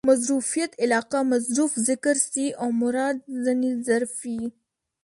مظروفیت علاقه؛ مظروف ذکر سي او مراد ځني ظرف يي.